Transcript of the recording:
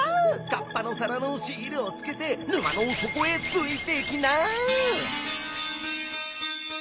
「カッパの皿のシールをつけて」「沼の底へついてきな！」